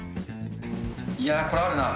いやー、これあるな。